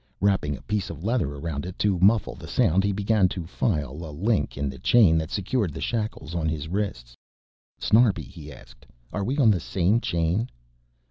Wrapping a piece of leather around it to muffle the sound he began to file a link in the chain that secured the shackles on his wrists. "Snarbi," he asked, "are we on the same chain?"